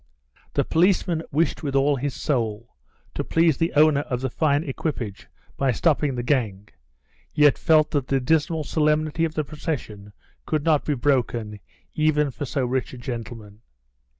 The policeman wished with all his soul to please the owner of the fine equipage by stopping the gang, yet felt that the dismal solemnity of the procession could not be broken even for so rich a gentleman.